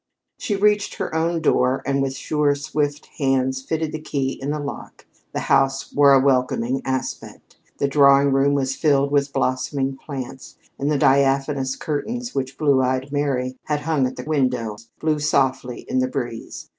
She reached her own door, and with sure, swift hands, fitted the key in the lock. The house wore a welcoming aspect. The drawing room was filled with blossoming plants, and the diaphanous curtains which Blue eyed Mary had hung at the windows blew softly in the breeze.